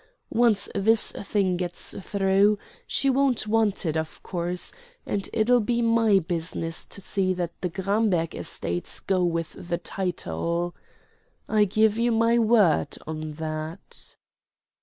Once this thing gets through she won't want it, of course; and it'll be my business to see that the Gramberg estates go with the title. I give you my word on that."